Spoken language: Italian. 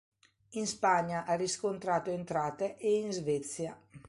In Spagna ha riscontrato entrate e in Svezia.